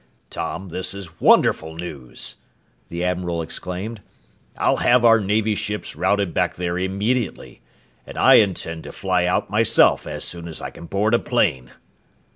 "Tom, this is wonderful news!" the admiral exclaimed. "I'll have our Navy ships routed back there immediately and I intend to fly out myself as soon as I can board a plane!"